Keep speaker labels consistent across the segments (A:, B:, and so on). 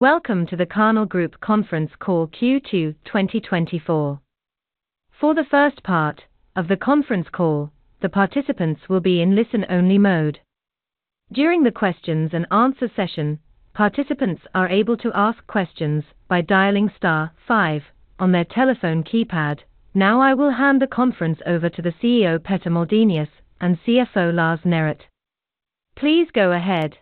A: Welcome to the Karnell Group conference call Q2 2024. For the first part of the conference call, the participants will be in listen-only mode. During the question-and-answer session, participants are able to ask questions by dialing star five on their telephone keypad. Now, I will hand the conference over to the CEO, Petter Moldenius, and CFO, Lars Neret. Please go ahead.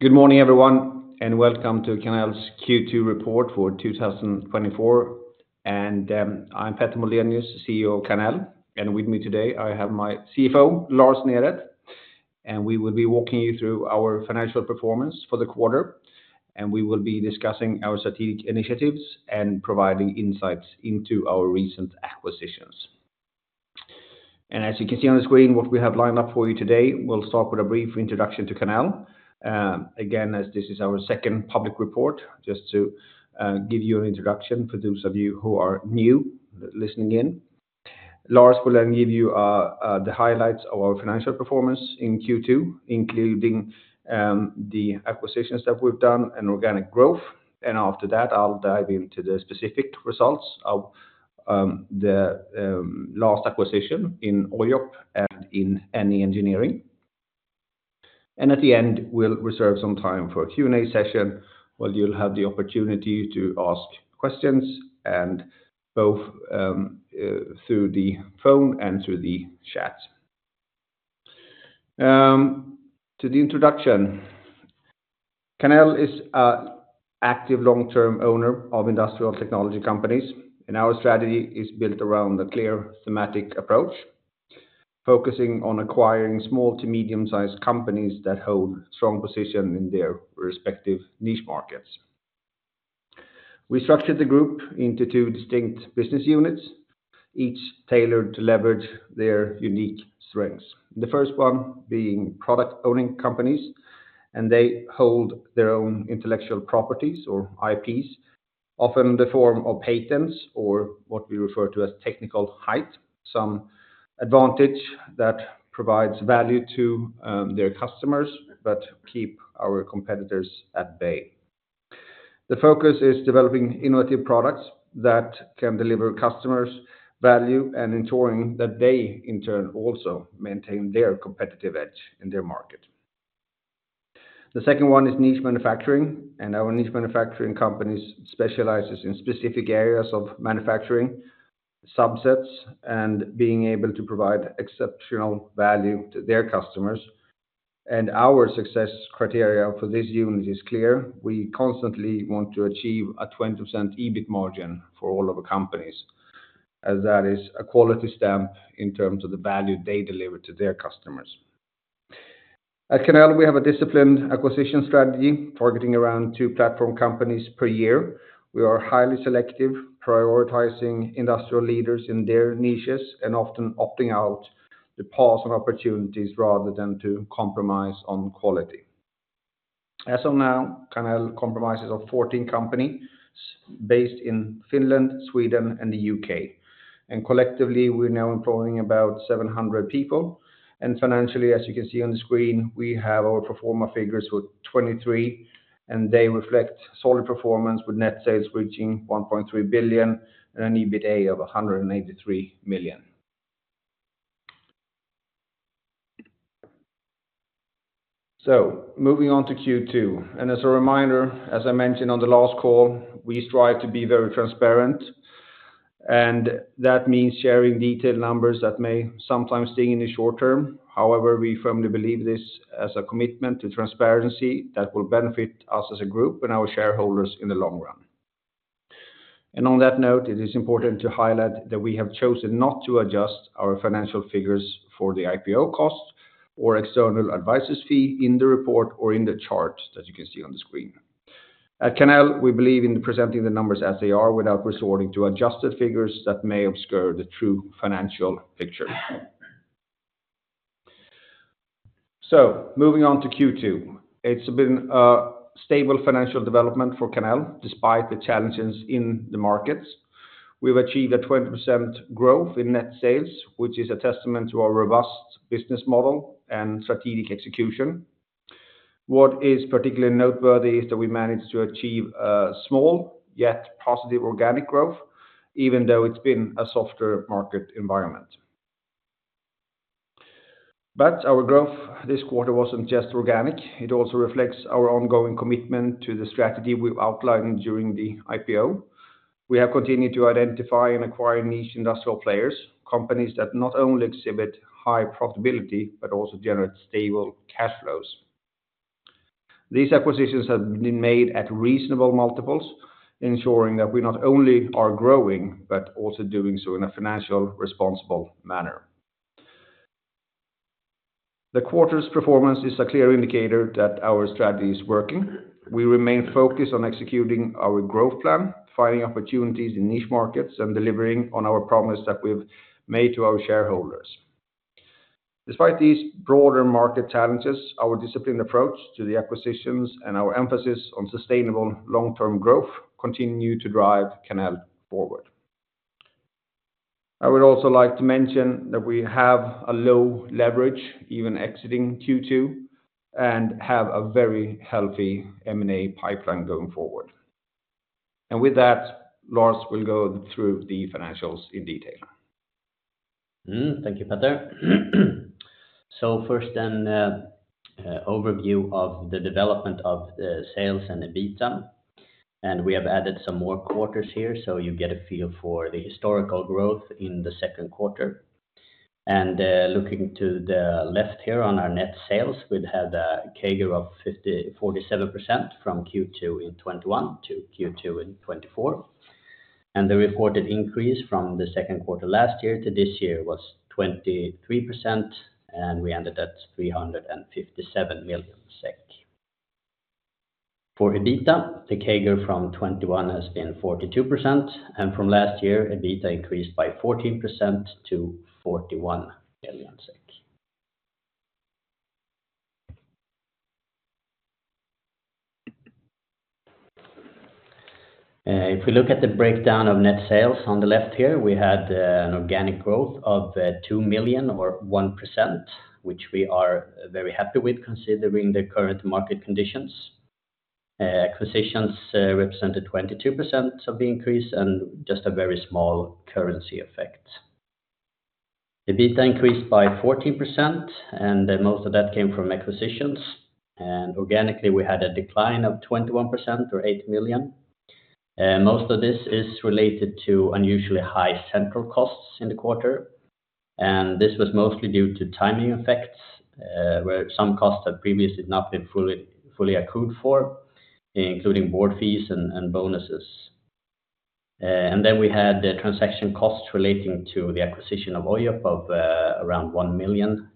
B: Good morning, everyone, and welcome to Karnell's Q2 report for 2024. I'm Petter Moldenius, CEO of Karnell, and with me today, I have my CFO, Lars Neret, and we will be walking you through our financial performance for the quarter, and we will be discussing our strategic initiatives and providing insights into our recent acquisitions. As you can see on the screen, what we have lined up for you today, we'll start with a brief introduction to Karnell. Again, as this is our second public report, just to give you an introduction for those of you who are new, listening in. Lars will then give you the highlights of our financial performance in Q2, including the acquisitions that we've done and organic growth. After that, I'll dive into the specific results of the last acquisition in Ojop and in NE Engineering. At the end, we'll reserve some time for a Q&A session, where you'll have the opportunity to ask questions and both through the phone and through the chat. To the introduction. Karnell is an active long-term owner of industrial technology companies, and our strategy is built around a clear thematic approach, focusing on acquiring small to medium-sized companies that hold strong position in their respective niche markets. We structured the group into two distinct business units, each tailored to leverage their unique strengths. The first one being product-owning companies, and they hold their own intellectual properties or IPs, often in the form of patents or what we refer to as technical height, some advantage that provides value to, their customers, but keep our competitors at bay. The focus is developing innovative products that can deliver customers value and ensuring that they, in turn, also maintain their competitive edge in their market. The second one is niche manufacturing, and our niche manufacturing companies specializes in specific areas of manufacturing, subsets, and being able to provide exceptional value to their customers. And our success criteria for this unit is clear. We constantly want to achieve a 20% EBIT margin for all of the companies, as that is a quality stamp in terms of the value they deliver to their customers. At Karnell, we have a disciplined acquisition strategy, targeting around two platform companies per year. We are highly selective, prioritizing industrial leaders in their niches and often opting out to pause on opportunities rather than to compromise on quality. As of now, Karnell comprises 14 companies based in Finland, Sweden, and the U.K. Collectively, we're now employing about 700 people, and financially, as you can see on the screen, we have our pro forma figures for 2023, and they reflect solid performance with net sales reaching 1.3 billion and an EBITDA of 183 million. So moving on to Q2, and as a reminder, as I mentioned on the last call, we strive to be very transparent, and that means sharing detailed numbers that may sometimes sting in the short term. However, we firmly believe this as a commitment to transparency that will benefit us as a group and our shareholders in the long run. On that note, it is important to highlight that we have chosen not to adjust our financial figures for the IPO cost or advisers' fee in the report or in the chart, as you can see on the screen. At Karnell, we believe in presenting the numbers as they are without resorting to adjusted figures that may obscure the true financial picture. Moving on to Q2. It's been a stable financial development for Karnell, despite the challenges in the markets. We've achieved a 20% growth in net sales, which is a testament to our robust business model and strategic execution. What is particularly noteworthy is that we managed to achieve a small, yet positive organic growth, even though it's been a softer market environment. Our growth this quarter wasn't just organic. It also reflects our ongoing commitment to the strategy we've outlined during the IPO. We have continued to identify and acquire niche industrial players, companies that not only exhibit high profitability, but also generate stable cash flows. These acquisitions have been made at reasonable multiples, ensuring that we not only are growing, but also doing so in a financially responsible manner. The quarter's performance is a clear indicator that our strategy is working. We remain focused on executing our growth plan, finding opportunities in niche markets, and delivering on our promise that we've made to our shareholders. Despite these broader market challenges, our disciplined approach to the acquisitions and our emphasis on sustainable long-term growth continue to drive Karnell forward. I would also like to mention that we have a low leverage, even exiting Q2, and have a very healthy M&A pipeline going forward. With that, Lars will go through the financials in detail.
C: Thank you, Petter. So first then, overview of the development of the sales and EBITDA, and we have added some more quarters here, so you get a feel for the historical growth in the second quarter. Looking to the left here on our net sales, we'd had a CAGR of 47% from Q2 in 2021 to Q2 in 2024. The reported increase from the second quarter last year to this year was 23%, and we ended at 357 million SEK. For EBITDA, the CAGR from 2021 has been 42%, and from last year, EBITDA increased by 14% to 41 million. If we look at the breakdown of net sales on the left here, we had an organic growth of 2 million or 1%, which we are very happy with, considering the current market conditions. Acquisitions represented 22% of the increase and just a very small currency effect. EBITDA increased by 14%, and then most of that came from acquisitions, and organically, we had a decline of 21% or 8 million. Most of this is related to unusually high central costs in the quarter, and this was mostly due to timing effects, where some costs have previously not been fully accrued for, including board fees and bonuses. And then we had the transaction costs relating to the acquisition of Ojop of around 1 million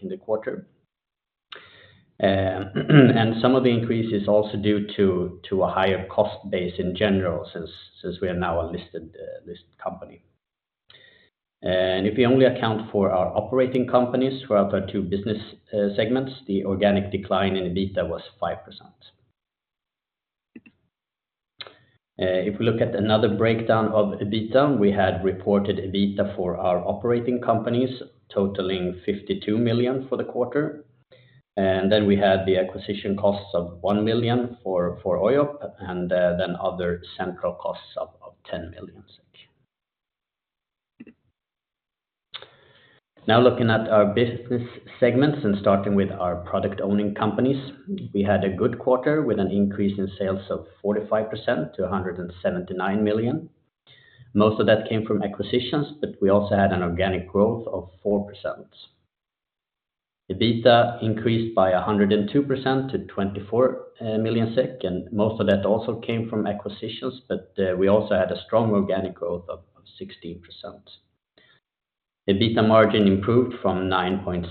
C: in the quarter. And some of the increase is also due to a higher cost base in general, since we are now a listed company. And if you only account for our operating companies throughout our two business segments, the organic decline in EBITDA was 5%. If we look at another breakdown of EBITDA, we had reported EBITDA for our operating companies, totaling 52 million for the quarter. Then we had the acquisition costs of 1 million for Ojop, and then other central costs of 10 million. Now, looking at our business segments and starting with our product-owning companies, we had a good quarter with an increase in sales of 45% to 179 million. Most of that came from acquisitions, but we also had an organic growth of 4%. EBITDA increased by 102% to 24 million SEK, and most of that also came from acquisitions, but we also had a strong organic growth of 16%. EBITDA margin improved from 9.7%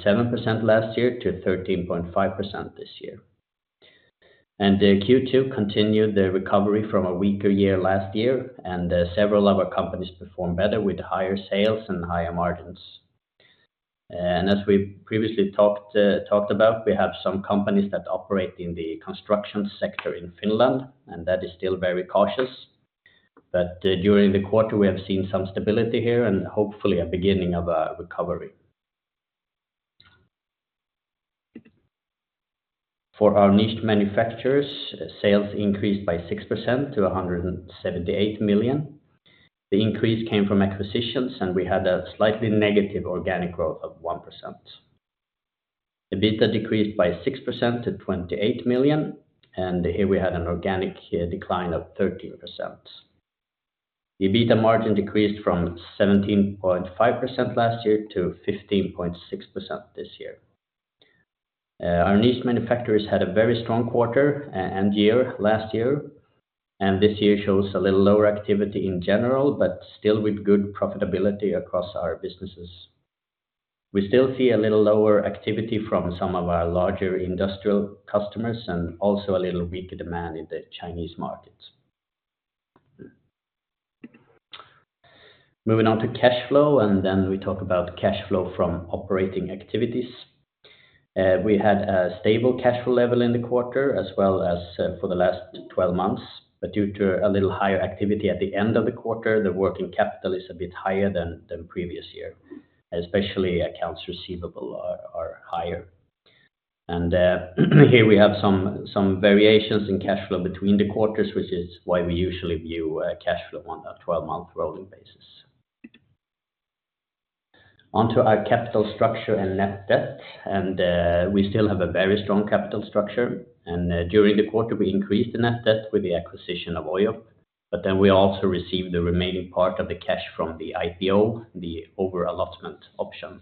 C: last year to 13.5% this year. The Q2 continued the recovery from a weaker year last year, and several of our companies performed better with higher sales and higher margins. As we previously talked about, we have some companies that operate in the construction sector in Finland, and that is still very cautious. But during the quarter, we have seen some stability here and hopefully a beginning of a recovery. For our niche manufacturers, sales increased by 6% to 178 million. The increase came from acquisitions, and we had a slightly negative organic growth of 1%. EBITDA decreased by 6% to 28 million, and here we had an organic decline of 13%. EBITDA margin decreased from 17.5% last year to 15.6% this year. Our niche manufacturers had a very strong quarter and year last year, and this year shows a little lower activity in general, but still with good profitability across our businesses. We still see a little lower activity from some of our larger industrial customers and also a little weaker demand in the Chinese markets. Moving on to cash flow, and then we talk about cash flow from operating activities. We had a stable cash flow level in the quarter as well as for the last 12 months, but due to a little higher activity at the end of the quarter, the working capital is a bit higher than previous year, especially accounts receivable are higher. And here we have some variations in cash flow between the quarters, which is why we usually view cash flow on a 12-month rolling basis. On to our capital structure and net debt, and we still have a very strong capital structure, and during the quarter, we increased the net debt with the acquisition of Ojop, but then we also received the remaining part of the cash from the IPO, the over-allotment option.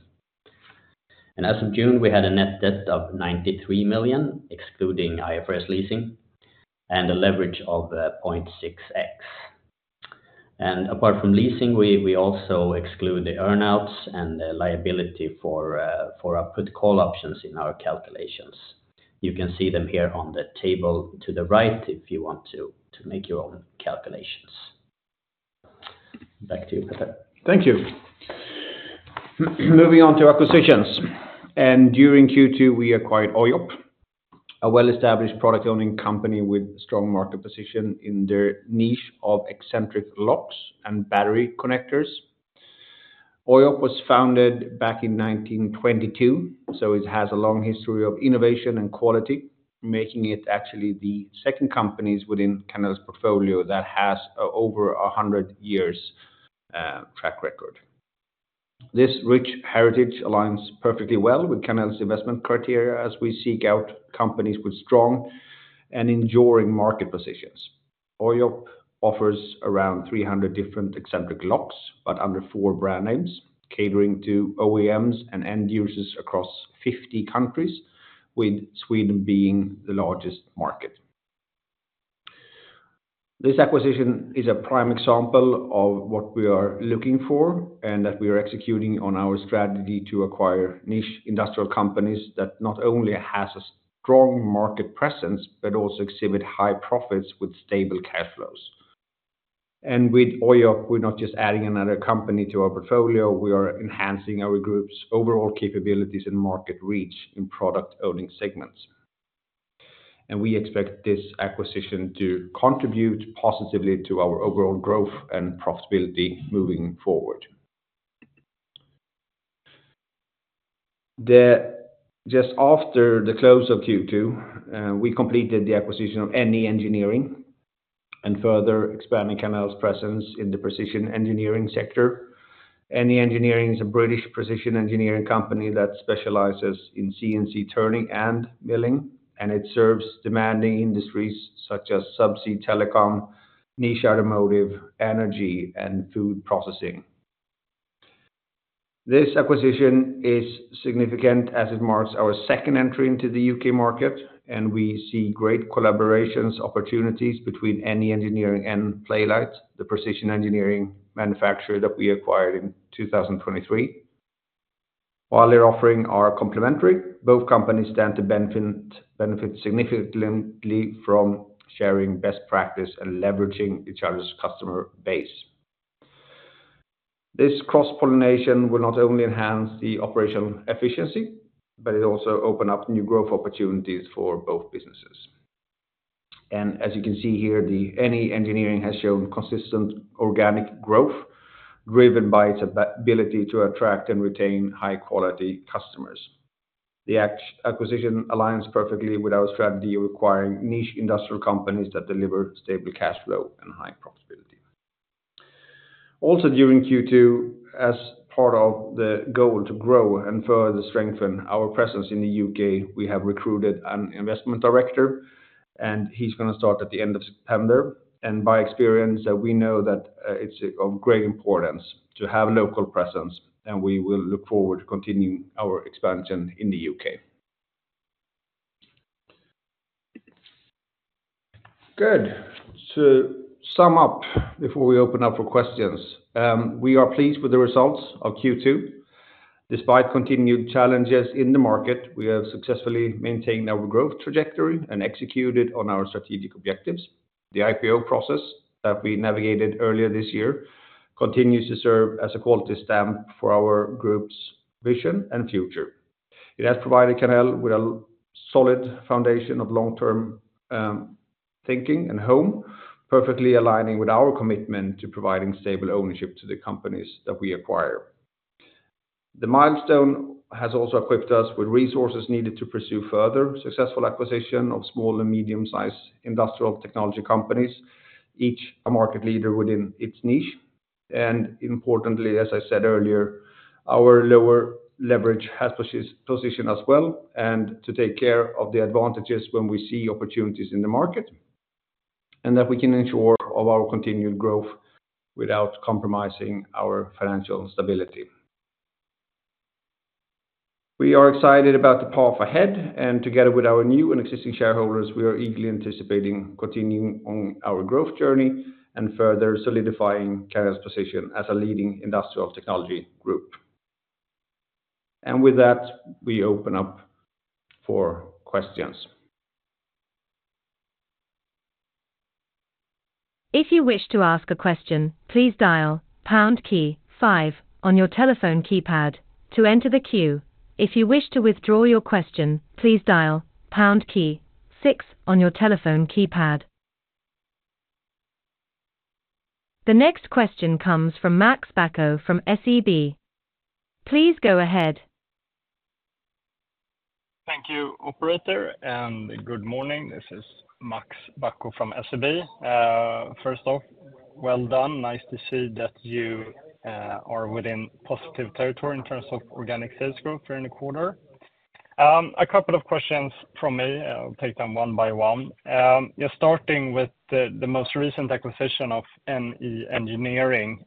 C: As of June, we had a net debt of 93 million, excluding IFRS leasing and a leverage of 0.6x. Apart from leasing, we also exclude the earn-outs and the liability for our put/call options in our calculations. You can see them here on the table to the right if you want to make your own calculations. Back to you, Petter.
B: Thank you. Moving on to acquisitions. During Q2, we acquired Ojop, a well-established product-owning company with strong market position in their niche of eccentric locks and battery connectors. Ojop was founded back in 1922, so it has a long history of innovation and quality, making it actually the second companies within Karnell's portfolio that has over 100 years track record. This rich heritage aligns perfectly well with Karnell's investment criteria as we seek out companies with strong and enduring market positions. Ojop offers around 300 different eccentric locks, but under four brand names, catering to OEMs and end users across 50 countries, with Sweden being the largest market. This acquisition is a prime example of what we are looking for, and that we are executing on our strategy to acquire niche industrial companies that not only has a strong market presence, but also exhibit high profits with stable cash flows. With Ojop, we're not just adding another company to our portfolio, we are enhancing our group's overall capabilities and market reach in product-owning segments. We expect this acquisition to contribute positively to our overall growth and profitability moving forward. Just after the close of Q2, we completed the acquisition of NE Engineering, and further expanding Karnell's presence in the precision engineering sector. NE Engineering is a British precision engineering company that specializes in CNC turning and milling, and it serves demanding industries such as subsea telecom, niche automotive, energy, and food processing. This acquisition is significant as it marks our second entry into the U.K. market, and we see great collaborations, opportunities between NE Engineering and Plalite, the precision engineering manufacturer that we acquired in 2023. While their offerings are complementary, both companies stand to benefit significantly from sharing best practice and leveraging each other's customer base. This cross-pollination will not only enhance the operational efficiency, but it also open up new growth opportunities for both businesses. As you can see here, the NE Engineering has shown consistent organic growth, driven by its ability to attract and retain high-quality customers. The acquisition aligns perfectly with our strategy, acquiring niche industrial companies that deliver stable cash flow and high profitability. Also, during Q2, as part of the goal to grow and further strengthen our presence in the U.K., we have recruited an investment director, and he's gonna start at the end of September. By experience, we know that it's of great importance to have a local presence, and we will look forward to continuing our expansion in the U.K. Good. To sum up, before we open up for questions, we are pleased with the results of Q2. Despite continued challenges in the market, we have successfully maintained our growth trajectory and executed on our strategic objectives. The IPO process that we navigated earlier this year continues to serve as a quality stamp for our group's vision and future. It has provided Karnell with a solid foundation of long-term thinking and how, perfectly aligning with our commitment to providing stable ownership to the companies that we acquire. The milestone has also equipped us with resources needed to pursue further successful acquisition of small and medium-sized industrial technology companies, each a market leader within its niche. Importantly, as I said earlier, our lower leverage has positioned us well to take advantage of the opportunities when we see them in the market, and that we can ensure our continued growth without compromising our financial stability. We are excited about the path ahead, and together with our new and existing shareholders, we are eagerly anticipating continuing on our growth journey and further solidifying Karnell's position as a leading industrial technology group. With that, we open up for questions.
A: If you wish to ask a question, please dial pound key five on your telephone keypad to enter the queue. If you wish to withdraw your question, please dial pound key six on your telephone keypad. The next question comes from Max Bacco from SEB. Please go ahead.
D: Thank you, operator, and good morning. This is Max Bacco from SEB. First off, well done. Nice to see that you are within positive territory in terms of organic sales growth during the quarter. A couple of questions from me. I'll take them one by one. Just starting with the most recent acquisition of NE Engineering.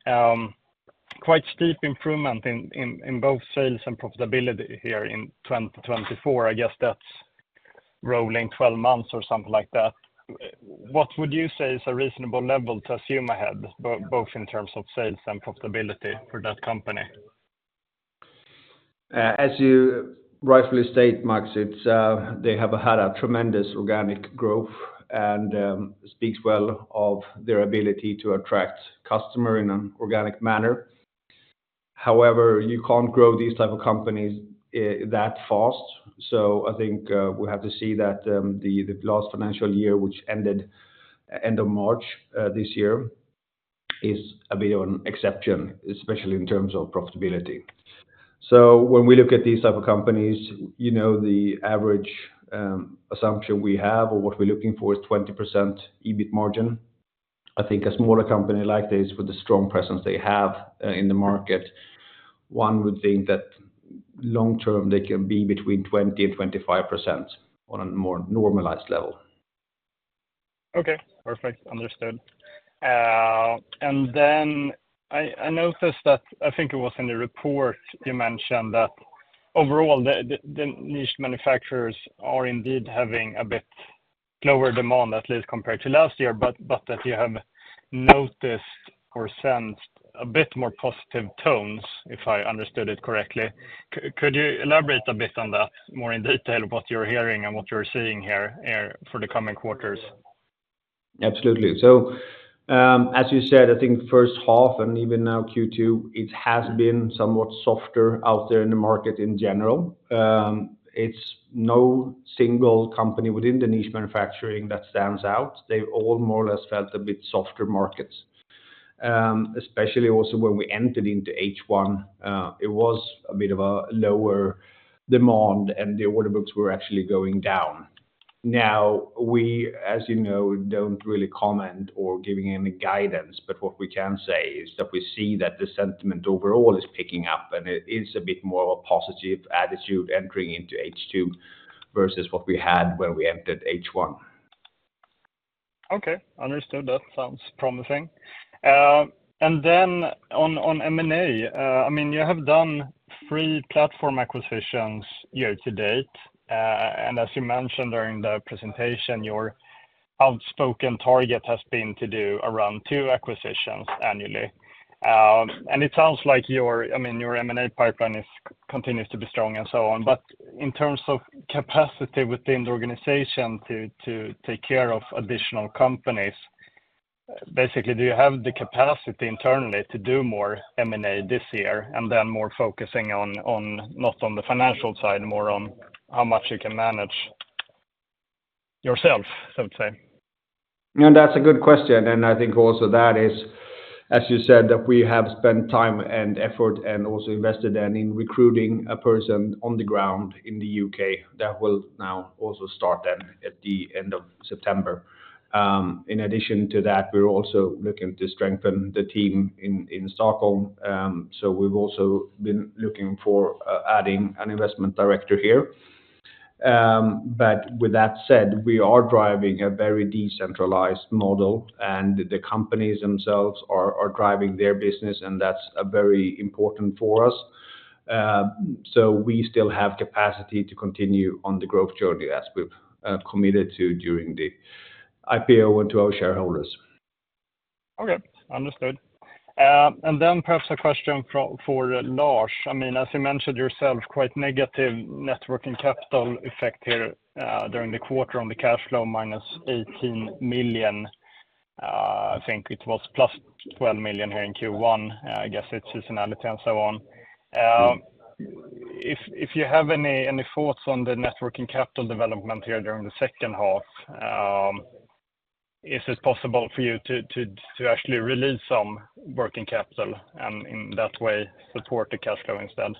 D: Quite steep improvement in both sales and profitability here in 2024. I guess that's rolling 12 months or something like that. What would you say is a reasonable level to assume ahead, both in terms of sales and profitability for that company?
B: As you rightfully state, Max, it's, they have had a tremendous organic growth and, speaks well of their ability to attract customer in an organic manner. However, you can't grow these type of companies, that fast. So I think, we have to see that, the last financial year, which ended end of March, this year, is a bit of an exception, especially in terms of profitability. So when we look at these type of companies, you know, the average, assumption we have or what we're looking for is 20% EBIT margin. I think a smaller company like this, with the strong presence they have, in the market, one would think that long term, they can be between 20% and 25% on a more normalized level.
D: Okay, perfect. Understood. And then I noticed that, I think it was in the report, you mentioned that overall the niche manufacturers are indeed having a bit lower demand, at least compared to last year, but that you have noticed or sensed a bit more positive tones, if I understood it correctly. Could you elaborate a bit on that more in detail, what you're hearing and what you're seeing here for the coming quarters?
B: Absolutely. So, as you said, I think first half, and even now Q2, it has been somewhat softer out there in the market in general. It's no single company within the niche manufacturing that stands out. They've all more or less felt a bit softer markets. Especially also when we entered into H1, it was a bit of a lower demand, and the order books were actually going down. Now, we, as you know, don't really comment or giving any guidance, but what we can say is that we see that the sentiment overall is picking up, and it is a bit more of a positive attitude entering into H2 versus what we had when we entered H1.
D: Okay, understood. That sounds promising. And then on M&A, I mean, you have done 3 platform acquisitions year to date. And as you mentioned during the presentation, your outspoken target has been to do around 2 acquisitions annually. And it sounds like your, I mean, your M&A pipeline continues to be strong and so on. But in terms of capacity within the organization to take care of additional companies, basically, do you have the capacity internally to do more M&A this year, and then more focusing on, not on the financial side, more on how much you can manage yourself, I would say?
B: And that's a good question, and I think also that is, as you said, that we have spent time and effort, and also invested in recruiting a person on the ground in the U.K. That will now also start then at the end of September. In addition to that, we're also looking to strengthen the team in Stockholm. So we've also been looking for adding an investment director here. But with that said, we are driving a very decentralized model, and the companies themselves are driving their business, and that's very important for us. So we still have capacity to continue on the growth journey as we've committed to during the IPO and to our shareholders.
D: Okay, understood. And then perhaps a question for Lars. I mean, as you mentioned yourself, quite negative net working capital effect here during the quarter on the cash flow, -18 million. I think it was +12 million here in Q1. I guess it's seasonality and so on. If you have any thoughts on the net working capital development here during the second half, is it possible for you to actually release some working capital and in that way support the cash flow instead?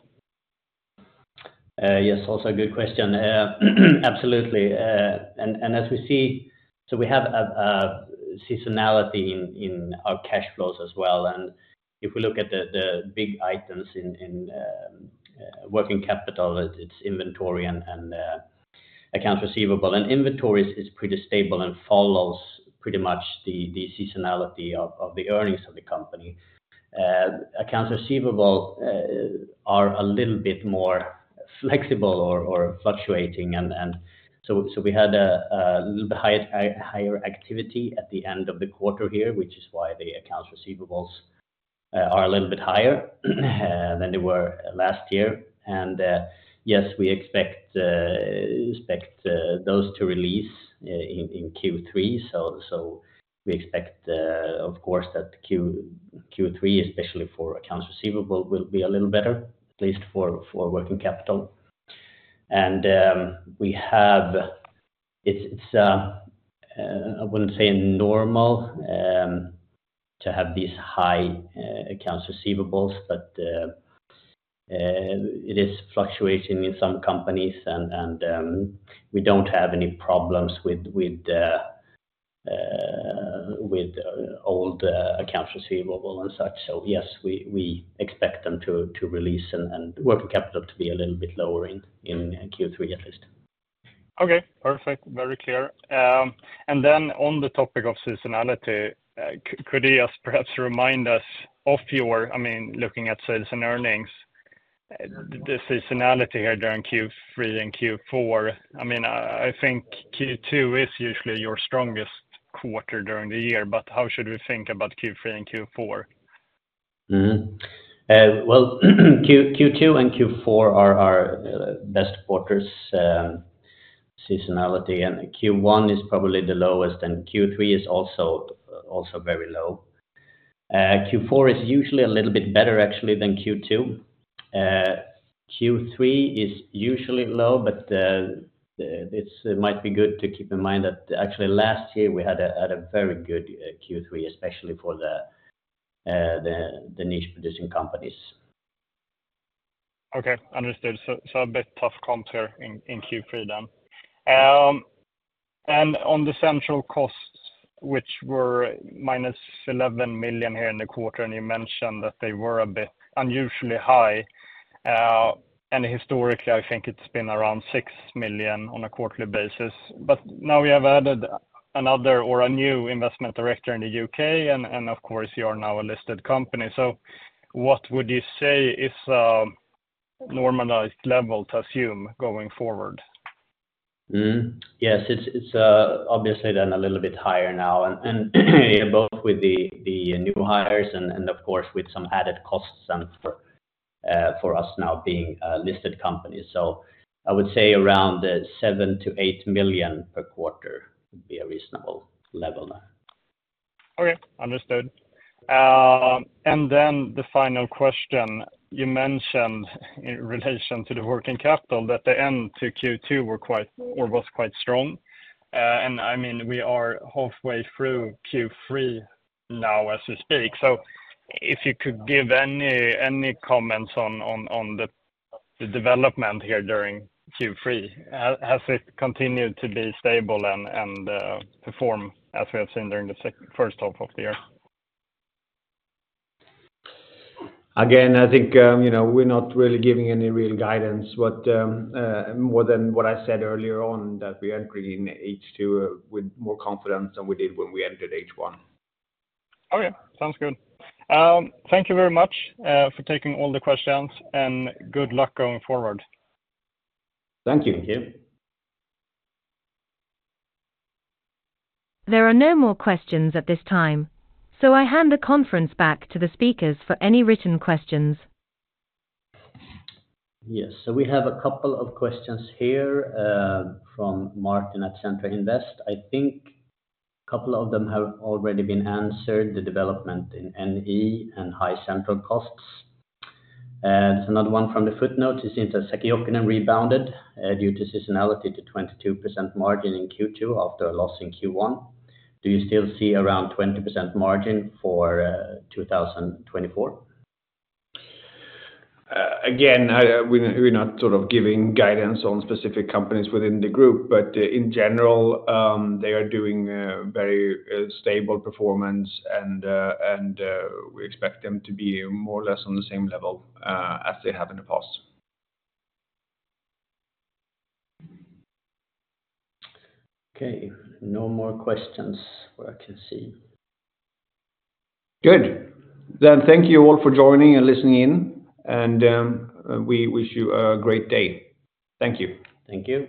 C: Yes, also a good question. Absolutely. And as we see, so we have a seasonality in our cash flows as well. And if we look at the big items in working capital, it's inventory and accounts receivable. And inventories is pretty stable and follows pretty much the seasonality of the earnings of the company. Accounts receivable are a little bit more flexible or fluctuating. And so we had a little bit higher activity at the end of the quarter here, which is why the accounts receivables are a little bit higher than they were last year. And yes, we expect those to release in Q3. So we expect, of course, that Q3, especially for accounts receivable, will be a little better, at least for working capital. And... It's, I wouldn't say normal, to have these high accounts receivables, but it is fluctuating in some companies, and we don't have any problems with old accounts receivable and such. So yes, we expect them to release and working capital to be a little bit lower in Q3, at least.
D: Okay, perfect. Very clear. And then on the topic of seasonality, could you just perhaps remind us. I mean, looking at sales and earnings, the seasonality here during Q3 and Q4, I mean, I think Q2 is usually your strongest quarter during the year, but how should we think about Q3 and Q4?
C: Mm-hmm. Well, Q2 and Q4 are our best quarters, seasonality, and Q1 is probably the lowest, and Q3 is also very low. Q4 is usually a little bit better actually than Q2. Q3 is usually low, but it might be good to keep in mind that actually last year we had a very good Q3, especially for the niche-producing companies.
D: Okay, understood. So, so a bit tough comp here in, in Q3 then. And on the central costs, which were -11 million here in the quarter, and you mentioned that they were a bit unusually high. And historically, I think it's been around 6 million on a quarterly basis. But now we have added another or a new investment director in the U.K., and, and of course, you are now a listed company. So what would you say is, normalized level to assume going forward?
C: Mm-hmm. Yes, it's obviously then a little bit higher now, and both with the new hires and of course, with some added costs and for us now being a listed company. So I would say around 7 million-8 million per quarter would be a reasonable level now.
D: Okay, understood. And then the final question: you mentioned in relation to the working capital that the end to Q2 were quite or was quite strong. And I mean, we are halfway through Q3 now as we speak. So if you could give any comments on the development here during Q3, has it continued to be stable and perform as we have seen during the first half of the year?
B: Again, I think, you know, we're not really giving any real guidance, but, more than what I said earlier on, that we are entering H2 with more confidence than we did when we entered H1.
D: Okay, sounds good. Thank you very much for taking all the questions, and good luck going forward.
B: Thank you.
C: Thank you.
A: There are no more questions at this time, so I hand the conference back to the speakers for any written questions.
C: Yes, so we have a couple of questions here, from Martin at Centra Invest. I think a couple of them have already been answered, the development in NE and high central costs. There's another one from the footnote. It seems that Sähkö-Jokinen rebounded, due to seasonality to 22% margin in Q2 after a loss in Q1. Do you still see around 20% margin for 2024?
B: Again, we're not sort of giving guidance on specific companies within the group, but in general, they are doing very stable performance, and we expect them to be more or less on the same level as they have in the past.
C: Okay, no more questions where I can see.
B: Good. Thank you all for joining and listening in, and we wish you a great day. Thank you.
C: Thank you.